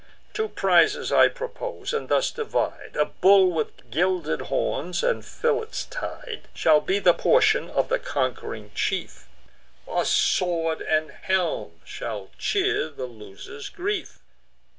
Two prizes I propose, and thus divide: A bull with gilded horns, and fillets tied, Shall be the portion of the conqu'ring chief; A sword and helm shall cheer the loser's grief."